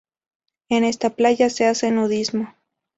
En esta playa se hace nudismo.